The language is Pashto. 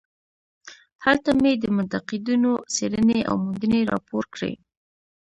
هلته مې د منتقدینو څېړنې او موندنې راپور کړې.